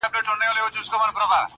خپل ترمنځه له یو بل سره لوبېږي,